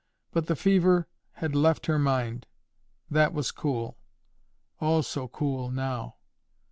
But the fever had left her mind. That was cool, oh, so cool, now!